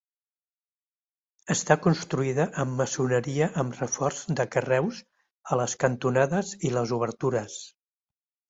Està construïda amb maçoneria amb reforç de carreus a les cantonades i les obertures.